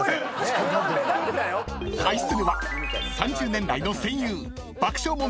［対するは３０年来の戦友］